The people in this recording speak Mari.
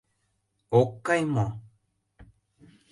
— Ок кай мо?